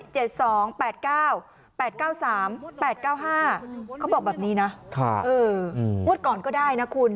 เขาบอกแบบนี้นะงวดก่อนก็ได้นะคุณ